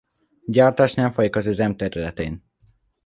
Gyártás nem folyik az üzem területén.